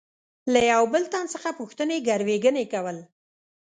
له یوه بل تن څخه پوښتنې ګروېږنې کول.